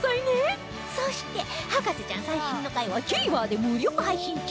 そして『博士ちゃん』最新の回は ＴＶｅｒ で無料配信中